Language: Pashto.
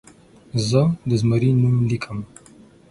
زه د زمري نوم لیکم.